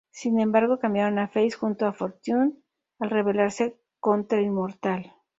Sin embargo, cambiaron a face junto a Fortune al revelarse contra Immortal.